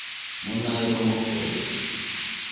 Mona ero mokorede.